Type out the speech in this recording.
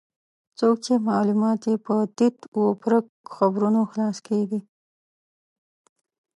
څوک چې معلومات یې په تیت و پرک خبرونو خلاصه کېږي.